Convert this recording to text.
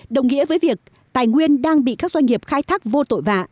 đồng nghĩa với việc tài nguyên đang bị các doanh nghiệp khai thác vô tội vạ